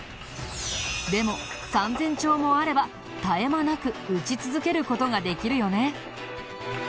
でも３０００丁もあれば絶え間なく撃ち続ける事ができるよね。